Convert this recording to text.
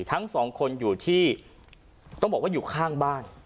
ทั้งสองคนอยู่ที่ต้องบอกว่าอยู่ข้างบ้าน